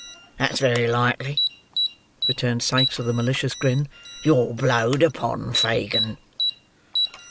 "That's very likely," returned Sikes with a malicious grin. "You're blowed upon, Fagin."